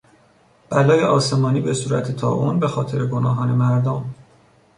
بلای آسمانی به صورت طاعون به خاطر گناهان مردم